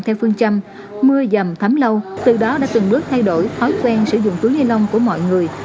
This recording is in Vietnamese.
theo phương châm mưa dầm thấm lâu từ đó đã từng bước thay đổi thói quen sử dụng túi ni lông của mọi người